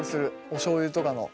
おしょうゆとかの。